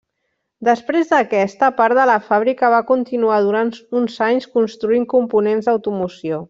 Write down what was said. Després d'aquesta, part de la fàbrica va continuar durant uns anys construint components d'automoció.